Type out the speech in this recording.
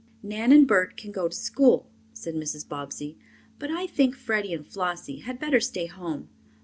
"Nan and Bert can go to school," said Mrs. Bobbsey. "But I think Freddie and Flossie had better stay home.